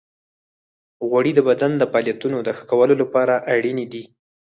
غوړې د بدن د فعالیتونو د ښه کولو لپاره اړینې دي.